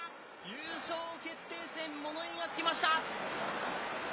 優勝決定戦、もの言いがつきました。